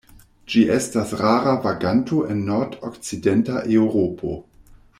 Ĝi estas rara vaganto en nordokcidenta Eŭropo.